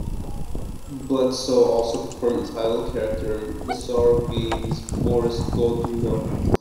Bledsoe also performed the title character in Mussorgsky's "Boris Godunov".